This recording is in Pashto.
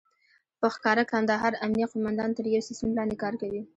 په ښکاره د کندهار امنيه قوماندان تر يو سيستم لاندې کار کوي.